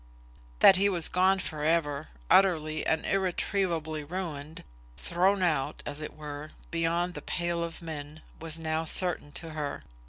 That he was gone for ever, utterly and irretrievably ruined, thrown out, as it were, beyond the pale of men, was now certain to her.